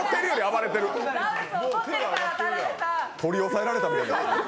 取り押さえられたみたい。